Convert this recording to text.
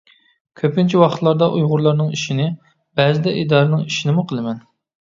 كۆپىنچە ۋاقىتلاردا ئۇيغۇرلارنىڭ ئىشىنى، بەزىدە ئىدارىنىڭ ئىشىنىمۇ قىلىمەن.